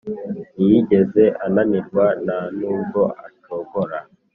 Ntiyigeze ananirwa, nta n’ubwo acogora,